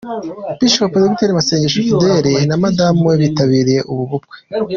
Bishop Dr Masengo Fidele na madamu we bitabiriye ubu bukwe.